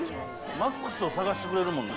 ＭＡＸを探してくれるもんね。